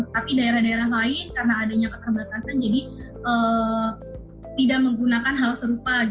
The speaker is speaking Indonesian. tapi daerah daerah lain karena adanya keterbatasan jadi tidak menggunakan hal serupa